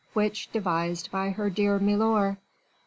which devised by her dear milor?